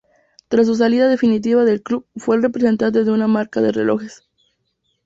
Tras su salida definitiva del club fue el representante de una marca de relojes.